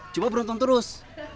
coba beruntung terus